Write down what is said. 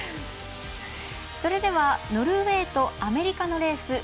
それではノルウェーとアメリカのレース